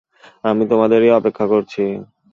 আমি তোমাদেরই অপেক্ষা করছি।